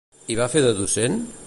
I va fer de docent?